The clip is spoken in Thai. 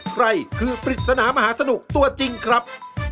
ใครคือปริศนามหาสนุกตัวจริงครับ